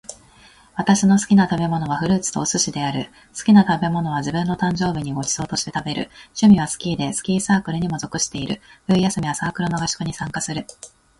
私の好きな食べ物は、フルーツとお寿司である。好きな食べ物は自分の誕生日にごちそうとして食べる。趣味はスキーで、スキーサークルにも属している。冬休みは、サークルの合宿に参加する。怪我をすることもあり危険なスポーツであるが、楽しい。大会でいい記録を残せるように頑張りたい。